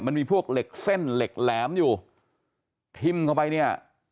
มันมีพวกเหล็กเส้นเหล็กแหลมอยู่ทิ้มเข้าไปเนี่ย